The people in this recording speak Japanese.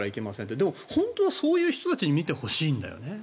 でも、本当はそういう人たちに見てほしいんだよね。